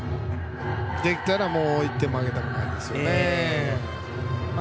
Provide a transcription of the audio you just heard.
できたらもう１点もあげたくないですね。